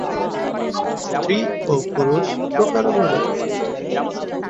স্ত্রী ও পুরুষ প্রকার অনুরূপ।